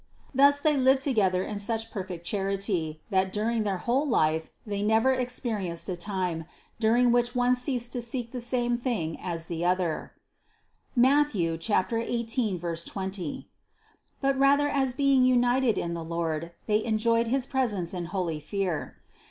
Thus they lived together in such perfect charity, that during their whole life they never experienced a time, during which one ceased to seek the same thing as the other (Matth. 18, 20). But rather as being united in the Lord, they enjoyed his presence in holy fear.